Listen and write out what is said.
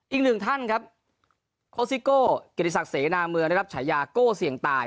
อีกหนึ่งท่านครับโคสิโก้เกียรติศักดิเสนาเมืองได้รับฉายาโก้เสี่ยงตาย